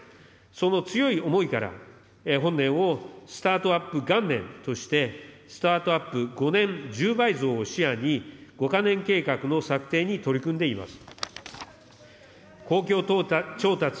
その強い思いから、本年をスタートアップ元年として、スタートアップ５年１０倍増を視野に、５か年計画の策定に取り組んでいます。